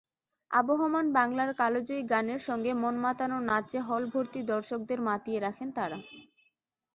আবহমান বাংলার কালজয়ী গানের সঙ্গে মনমাতানো নাচে হলভর্তি দর্শকদের মাতিয়ে রাখেন তারা।